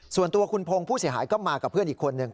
ส่วนตัวคุณพงศ์ผู้เสียหายก็มากับเพื่อนอีกคนนึง